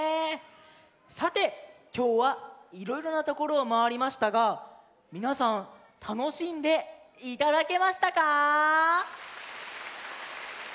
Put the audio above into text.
さてきょうはいろいろなところをまわりましたがみなさんたのしんでいただけましたか？